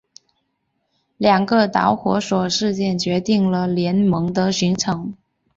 两个导火索事件决定了联盟的形成。